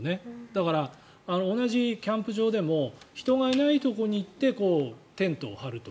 だから、同じキャンプ場でも人がいないところに行ってテントを張ると。